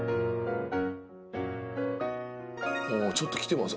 ちょっときてます。